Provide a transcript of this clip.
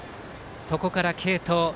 そこから継投。